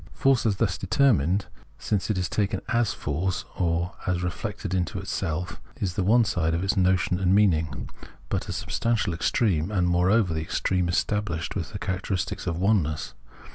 .^^ Force, as thus determined, since it is taken as force, or as reflected into itself, is the one side of its notion and meaning : but a substantiated extreme, Understanding 131 and, moreover, the extreme established with the char acteristic of oneness.